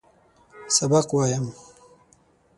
سبق وایم.